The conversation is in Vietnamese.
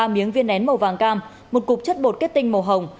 ba miếng viên nén màu vàng cam một cục chất bột kết tinh màu hồng